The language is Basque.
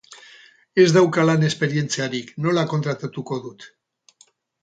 Ez dauka lan esperientziarik!, nola kontratatuko dut?